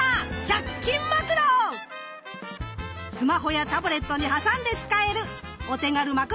スマホやタブレットに挟んで使えるお手軽マクロレンズです。